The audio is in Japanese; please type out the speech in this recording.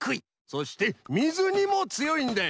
そしてみずにもつよいんだ！